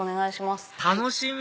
楽しみ！